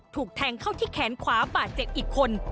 ถูกแทงเข้าที่แขนขวาบาดเจ็บอีกคน